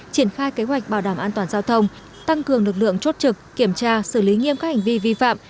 triển khai kế hoạch bảo đảm an toàn giao thông tăng cường lực lượng chốt trực kiểm tra xử lý nghiêm các hành vi vi phạm